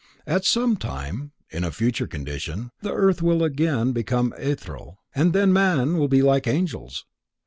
At some time, in a future condition, the earth will again become ethereal. Then man will be like the angels.